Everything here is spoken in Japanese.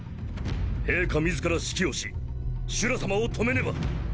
陛下自ら指揮をしシュラさまを止めねば。